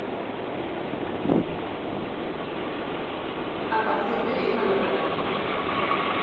A partir de aí valorará.